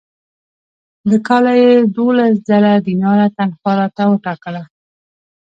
د کاله یې دوولس زره دیناره تنخوا راته وټاکله.